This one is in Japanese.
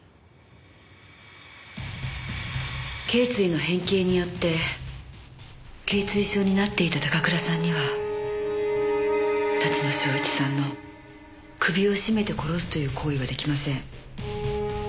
頚椎の変形によって頚椎症になっていた高倉さんには龍野祥一さんの首を絞めて殺すという行為は出来ません。